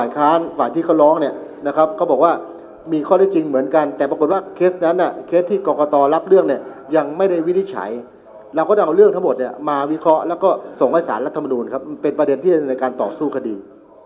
ได้วินิจฉัยเราก็จะเอาเรื่องทั้งหมดเนี้ยมาวิเคราะห์แล้วก็ส่งไว้ศาลรัฐทำนวณครับเป็นประเด็นที่ในการต่อสู้คดี